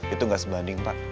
itu gak sebanding pak